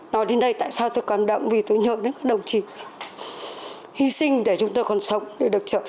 nói đến đây tại sao tôi còn đậm vì tôi nhờ đến các đồng chí hy sinh để chúng tôi còn sống để được trở về